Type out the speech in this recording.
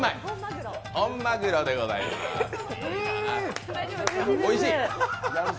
本まぐろでございます。